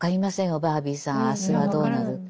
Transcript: バービーさん明日がどうなるか。